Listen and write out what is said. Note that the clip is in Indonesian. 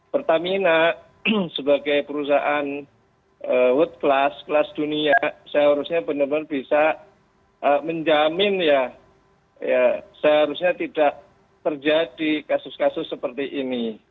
pertamina sebagai perusahaan world class kelas dunia seharusnya benar benar bisa menjamin ya seharusnya tidak terjadi kasus kasus seperti ini